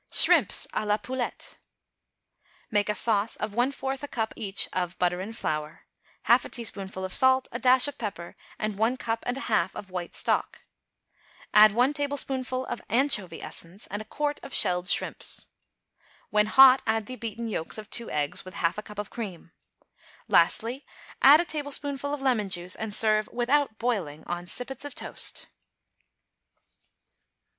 =Shrimps à la Poulette.= Make a sauce of one fourth a cup, each, of butter and flour, half a teaspoonful of salt, a dash of pepper and one cup and a half of white stock; add one tablespoonful of anchovy essence and a quart of shelled shrimps. When hot add the beaten yolks of two eggs, with half a cup of cream. Lastly, add a tablespoonful of lemon juice and serve, without boiling, on sippets of toast.